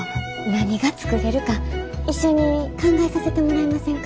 何が作れるか一緒に考えさせてもらえませんか？